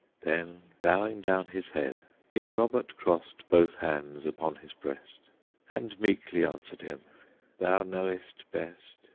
Then bowing down his head, King Robert crossed both hands upon his breast, And meekly answered him: "Thou knowest best!